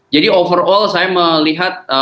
jadi overall saya melihat